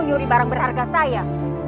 nyuri barang berharga saya